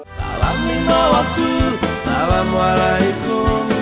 saya mau pergi dulu